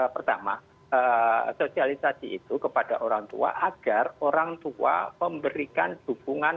pertama sosialisasi itu kepada orang tua agar orang tua memberikan dukungan